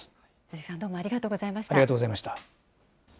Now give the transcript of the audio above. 鈴木さん、どうもありがとうございました。